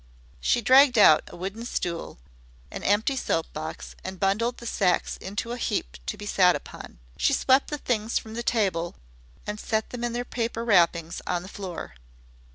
She dragged out a wooden stool, an empty soap box, and bundled the sacks into a heap to be sat upon. She swept the things from the table and set them in their paper wrappings on the floor.